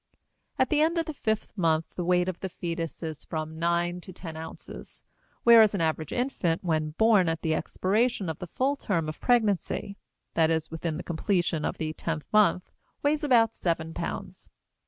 At the end of the fifth month, the weight of the fetus is from nine to ten ounces; whereas an average infant when born at the expiration of the full term of pregnancy, that is, with the completion of the tenth month, weighs about seven pounds.